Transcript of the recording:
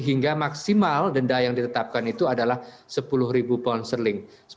hingga maksimal denda yang ditetapkan itu adalah sepuluh ribu pound sterling